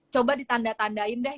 coba ditanda tandain deh